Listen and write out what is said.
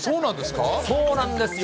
そうなんですか。